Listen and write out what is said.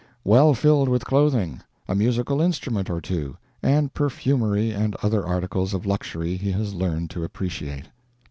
] well filled with clothing, a musical instrument or two, and perfumery and other articles of luxury he has learned to appreciate."